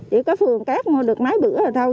chỉ có phường cát mua được mấy bữa là thôi